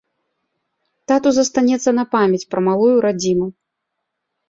Тату застанецца на памяць пра малую радзіму.